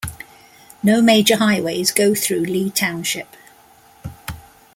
No major highways go through Lee Township.